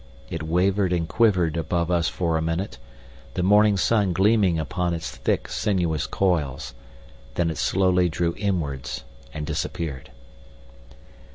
It wavered and quivered above us for a minute, the morning sun gleaming upon its sleek, sinuous coils. Then it slowly drew inwards and disappeared.